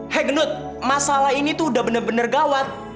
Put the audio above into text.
hei genut masalah ini tuh udah bener bener gawat